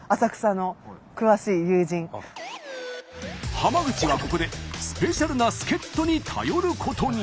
浜口がここでスペシャルな助っ人に頼ることに。